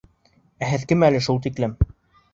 Ә һеҙ кем әле шул тиклем?